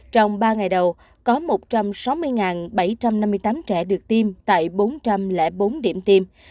trong ba ngày đầu có một trăm sáu mươi bảy trăm năm mươi tám trẻ được tiêm tại bốn trăm linh bốn điểm tiêm